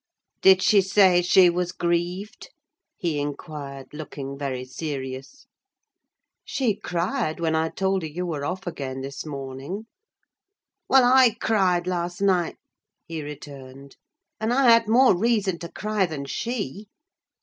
"Did she say she was grieved?" he inquired, looking very serious. "She cried when I told her you were off again this morning." "Well, I cried last night," he returned, "and I had more reason to cry than she."